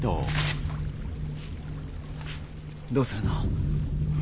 どうするの？